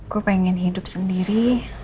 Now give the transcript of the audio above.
gue pengen hidup sendiri